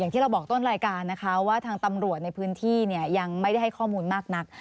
ที่เราบอกต้นรายการนะคะว่าทางตำรวจในพื้นที่เนี่ยยังไม่ได้ให้ข้อมูลมากนัก